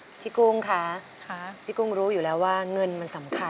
เปลี่ยนเพลงเก่งของคุณและข้ามผิดได้๑คำ